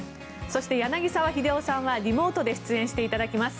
そして、柳澤秀夫さんはリモートで出演していただきます。